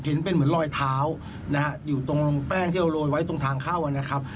เห็นเป็นเหมือนรอยเท้านะฮะอยู่ตรงแป้งที่เราโรยไว้ตรงทางเข้านะครับ